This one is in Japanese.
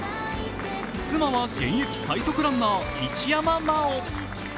妻は現役最速ランナー一山麻緒。